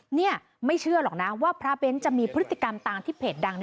เนี่ยไม่เชื่อหรอกนะว่าพระเบ้นจะมีพฤติกรรมตามที่เพจดัง